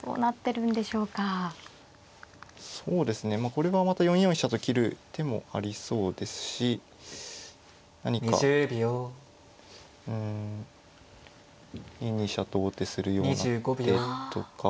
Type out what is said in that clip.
これはまた４四飛車と切る手もありそうですし何かうん２二飛車と王手するような手とか。